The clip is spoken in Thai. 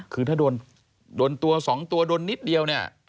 คือถ้าโดนตัว๒ตัวโดนนิดเดียวเนี่ย